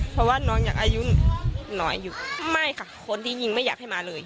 เพราะว่าน้องอยากอายุหน่อยอยู่ไม่ค่ะคนที่ยิงไม่อยากให้มาเลย